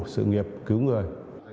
sự nghiệp cứu người